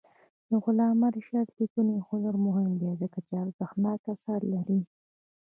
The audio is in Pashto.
د علامه رشاد لیکنی هنر مهم دی ځکه چې ارزښتناک آثار لري.